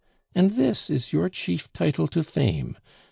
And this is your chief title to fame.